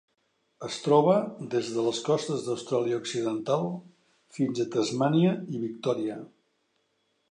Es troba des de les costes d'Austràlia Occidental fins a Tasmània i Victòria.